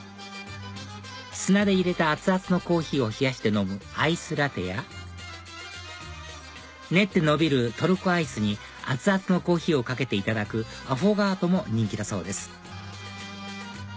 砂で入れた熱々のコーヒーを冷やして飲むアイスラテや練ってのびるトルコアイスに熱々のコーヒーをかけていただくアフォガートも人気だそうです